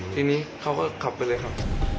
ทีนี้เขาก็ขับไปเลยครับ